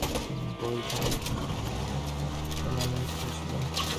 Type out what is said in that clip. বইখানি কী তাহা গোরা জানিত, তাই গোরা মনে মনে একটু হাসিল।